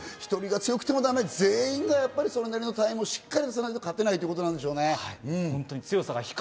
１人が強くてもダメ、全員がそれなりのタイムをしっかり出さないと勝てないんですね。